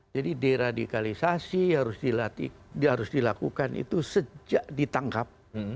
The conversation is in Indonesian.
jadi deradikalisasi harus dilakukan itu sejak ditangkap